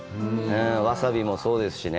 わさびもそうですしね。